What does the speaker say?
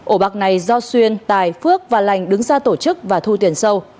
ổ bạc này do xuyên tài phước và lành đứng ra tổ chức và thu tiền sâu